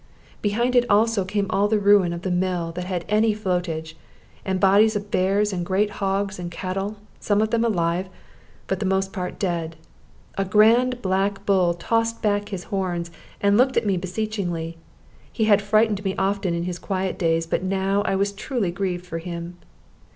Behind it also came all the ruin of the mill that had any floatage, and bodies of bears and great hogs and cattle, some of them alive, but the most part dead. A grand black bull tossed back his horns, and looked at me beseechingly: he had frightened me often in quiet days, but now I was truly grieved for him.